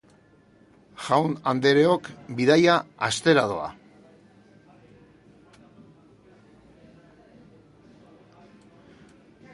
Jaun-andereok, bidaia hastera doa!